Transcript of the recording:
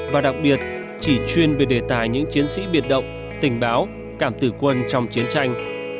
và đặc biệt chỉ chuyên về đề tài những chiến sĩ biệt động tình báo cảm tử quân trong chiến tranh